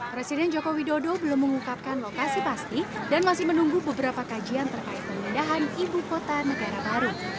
presiden joko widodo belum mengungkapkan lokasi pasti dan masih menunggu beberapa kajian terkait pemindahan ibu kota negara baru